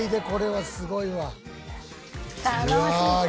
楽しそう！